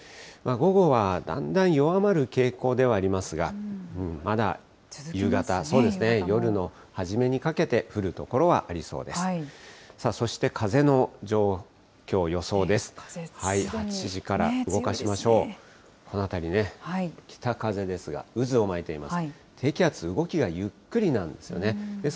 午後はだんだん弱まる傾向ではありますが、まだ夕方、夜の初めにかけて降る所はありそうです。